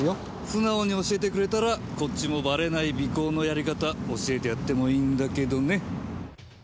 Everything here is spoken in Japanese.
素直に教えてくれたらこっちもバレない尾行のやり方教えてやってもいいんだけどね。